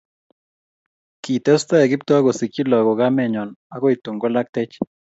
Kitestai Kiptoo kosikchi lakok kamenyo akoi tun kolaktech